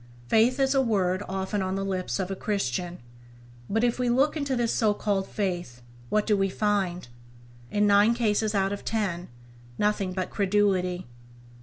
Faith is a word often on the lips of a Christian; but if we look into this so called faith, what do we find ?— in nine cases out of ten nothing but credulity.